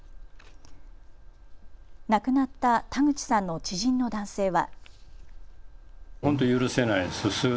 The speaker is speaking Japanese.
亡くなった田口さんの知人の男性は。